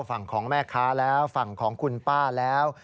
ฝั่งของแม่ค้าแล้วฝั่งของคุณป้าแล้ว